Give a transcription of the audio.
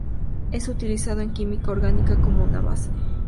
Es utilizado en química orgánica como una base.